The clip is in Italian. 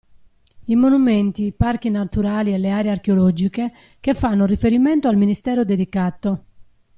I monumenti, parchi naturali e le aree archeologiche che fanno riferimento al Ministero dedicato.